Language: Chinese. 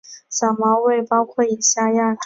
小毛猬包括以下亚种